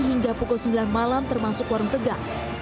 hingga pukul sembilan malam termasuk warung tegal